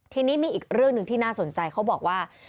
ทีนี้มีอีกเรื่องหนึ่งที่น่าสนใจเขาบอกว่า